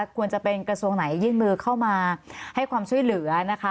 ควรจะเป็นกระทรวงไหนยื่นมือเข้ามาให้ความช่วยเหลือนะคะ